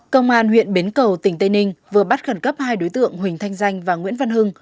công an huyện bến cầu tỉnh tây ninh vừa bắt khẩn cấp hai đối tượng huỳnh thanh danh và nguyễn văn hưng